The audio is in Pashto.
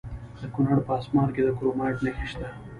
د کونړ په اسمار کې د کرومایټ نښې شته.